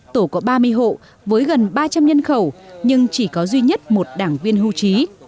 tổ có ba mươi hộ với gần ba trăm linh nhân khẩu nhưng chỉ có duy nhất một đảng viên hưu trí